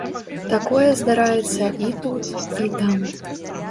Такое здараецца і тут, і там.